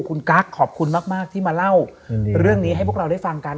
คุณกั๊กขอบคุณมากที่มาเล่าเรื่องนี้ให้พวกเราได้ฟังกัน